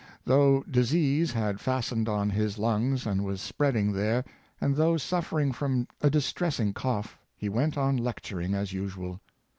Though disease had fast ened on his lungs, and was spreading there, and though suffering from a distressing cough, he went on lecturing as usual.